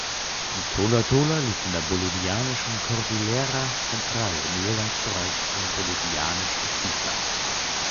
Tola Tola liegt in der bolivianischen Cordillera Central im Übergangsbereich zum bolivianischen Tiefland.